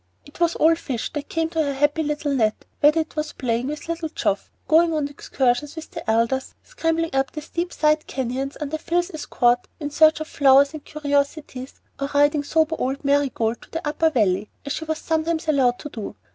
All was fish that came to her happy little net, whether it was playing with little Geoff, going on excursions with the elders, scrambling up the steep side canyons under Phil's escort in search of flowers and curiosities, or riding sober old Marigold to the Upper Valley as she was sometimes allowed to do.